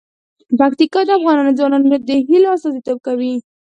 پکتیکا د افغان ځوانانو د هیلو استازیتوب کوي.